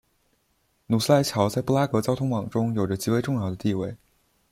努斯莱桥在布拉格交通网中有着极为重要的地位。